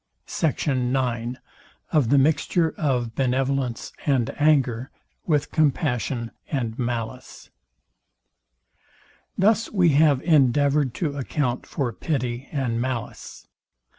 SECT. IX OF THE MIXTURE OF BENEVOLENCE AND ANGER WITH COMPASSION AND MALICE Thus we have endeavoured to account for pity and malice.